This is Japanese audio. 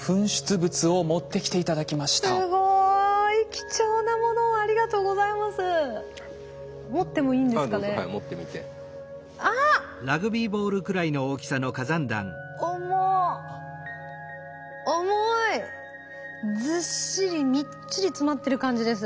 ずっしりみっちり詰まってる感じです。